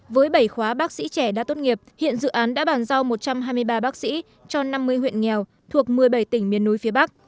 với bảy khóa bác sĩ trẻ đã tốt nghiệp hiện dự án đã bàn giao một trăm hai mươi ba bác sĩ cho năm mươi huyện nghèo thuộc một mươi bảy tỉnh miền núi phía bắc